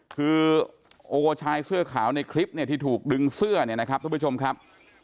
คือโอชายเสื้อขาวในคลิปเนี่ยที่ถูกดึงเสื้อเนี่ยนะครับทุกผู้ชมครับ